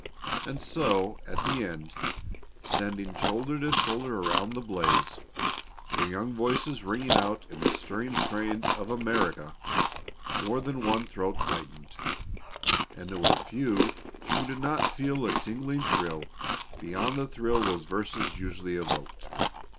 And so at the end, standing shoulder to shoulder around the blaze, their young voices ringing out in the stirring strains of "America," more than one throat tightened, and there were few who did not feel a tingling thrill beyond the thrill those verses usually evoked.